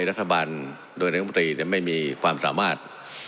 รัฐบาลโดยนายมนตรีไม่มีความสามารถ